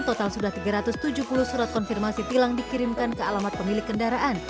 total sudah tiga ratus tujuh puluh surat konfirmasi tilang dikirimkan ke alamat pemilik kendaraan